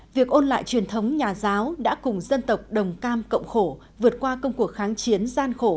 việc ôn lại truyền thống nhà giáo đã cùng dân tộc đồng cam cộng khổ vượt qua công cuộc kháng chiến gian khổ